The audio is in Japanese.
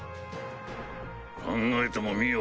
考えてもみよ。